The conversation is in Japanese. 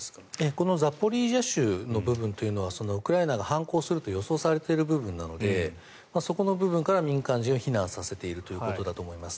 このザポリージャ州の部分というのはウクライナが反攻すると予想されている部分なのでそこの部分から民間人を避難させているということだと思います。